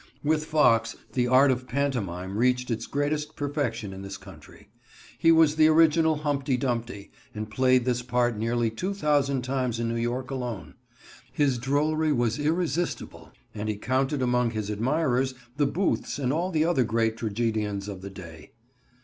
With Fox the art of pantomime reached its greatest perfection in this country. He was the original "Humpty Dumpty," and played this part nearly two thousand times in New York alone. His drollery was irresistible, and he counted among his admirers the Booths and all the other great tragedians of the day.